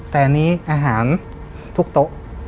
แต่นี่อาหารทุกโต๊ะ